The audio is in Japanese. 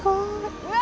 うわ！